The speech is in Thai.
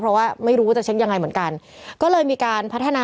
เพื่อไม่ให้เชื้อมันกระจายหรือว่าขยายตัวเพิ่มมากขึ้น